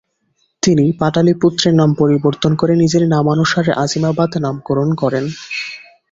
তিনি পাটলিপুত্রের নাম পরিবর্তন করে নিজের নামানুসারে আজিমাবাদ নামকরণ করেন।